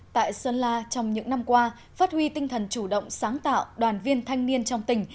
tại sơn la trong những năm qua phát huy tinh thần chủ động sáng tạo đoàn viên thanh niên trong tỉnh